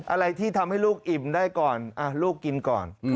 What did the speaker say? อะไรที่ทำให้ลูกอิ่มได้ก่อนลูกกินก่อน